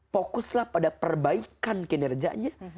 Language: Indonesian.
fokuslah pada perbaikan kinerjanya